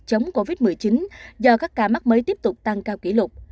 chống covid một mươi chín do các ca mắc mới tiếp tục tăng cao kỷ lục